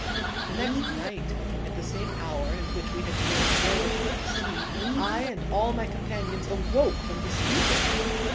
" The next night, at the same hour in which we had thrown the dervis into the sea, I and all my companions awoke from the stupor.